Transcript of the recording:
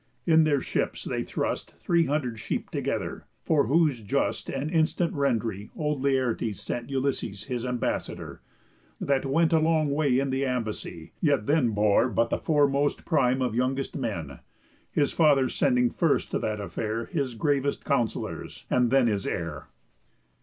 In their ships they thrust Three hundred sheep together; for whose just And instant rendry old Laertes sent Ulysses his ambassador, that went A long way in the ambassy, yet then Bore but the foremost prime of youngest men; His father sending first to that affair His gravest counsellors, and then his heir.